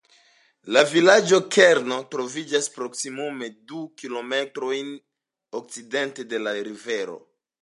La vilaĝo-kerno troviĝas proksimume du kilometrojn okcidente de la rivero.